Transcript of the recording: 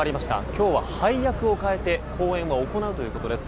今日は配役を変えて公演は行うということです。